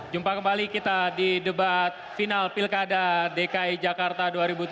jumpa kembali kita di debat final pilkada dki jakarta dua ribu tujuh belas